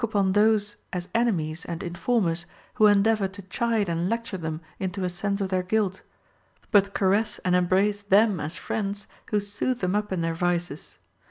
117 upon those as enemies and informers who endeavor to chide and lecture them into a sense of their guilt, but caress and embrace them as friends who soothe them up in their vices.